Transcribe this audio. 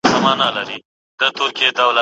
ایا استاد د شاګرد د کار کیفیت څاري؟